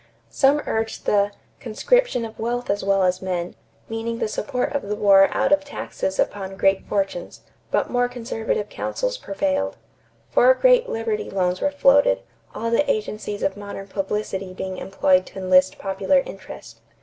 Some urged the "conscription of wealth as well as men," meaning the support of the war out of taxes upon great fortunes; but more conservative counsels prevailed. Four great Liberty Loans were floated, all the agencies of modern publicity being employed to enlist popular interest.